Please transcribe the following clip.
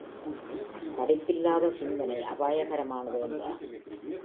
படிப்பிலாத சிந்தனை அபாயகரமானது என்றான்.